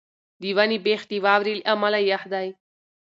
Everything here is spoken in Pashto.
د ونې بېخ د واورې له امله یخ دی.